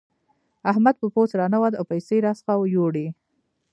احمد په پوست راننوت او پيسې راڅخه يوړې.